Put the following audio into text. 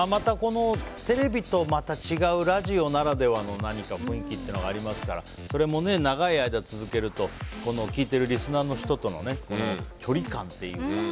テレビとまた違うラジオならではの何か雰囲気というのがありますからそれも長い間続けるとこの聴いているリスナーの人との距離感というか。